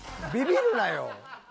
ビビるなよ！